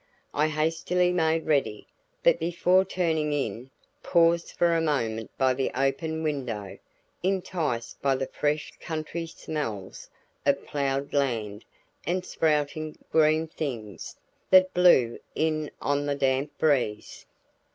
I hastily made ready, but before turning in, paused for a moment by the open window, enticed by the fresh country smells of plowed land and sprouting green things, that blew in on the damp breeze.